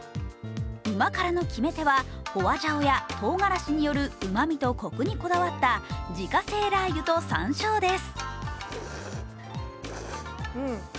旨辛の決め手は、ホアジャオやとうがらしによるうまみとこくにこだわった自家製辣油とさんしょうです。